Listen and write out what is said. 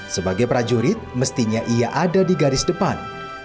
sebagai prajurit mestinya ia ada di garis depan